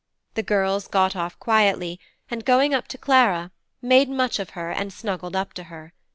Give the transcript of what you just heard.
The girls got off quietly, and going up to Clara, made much of her and snuggled up to her.